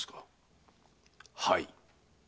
はい。